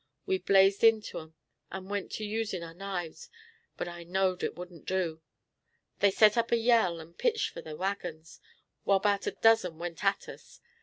We blazed into 'em and went to usin' our knives, but I knowed it wouldn't do. They set up a yell and pitched fur the wagons, while 'bout a dozen went at us.